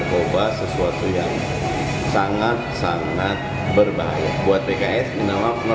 kabarnya sempat ada yang bilang